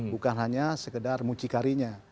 bukan hanya sekedar mucikarinya